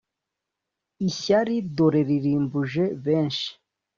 Ishyari dore ririmbuje benshi